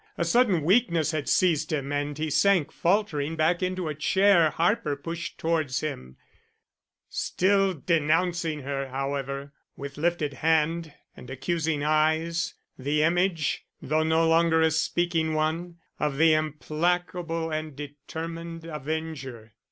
A sudden weakness had seized him and he sank faltering back into a chair Harper pushed towards him, still denouncing her, however, with lifted hand and accusing eyes, the image though no longer a speaking one of the implacable and determined avenger.